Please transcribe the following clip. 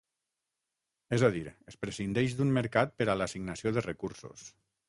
És a dir, es prescindeix d'un mercat per a l'assignació de recursos.